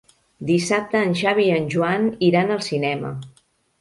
Dissabte en Xavi i en Joan iran al cinema.